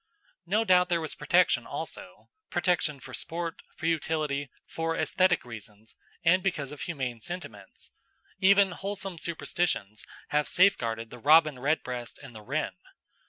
No doubt there was protection also protection for sport, for utility, for æsthetic reasons, and because of humane sentiments; even wholesome superstitions have safeguarded the robin redbreast and the wren.